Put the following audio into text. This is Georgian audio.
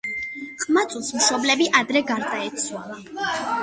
ყმაწვილს მშობლები ადრე გარდაეცვალა.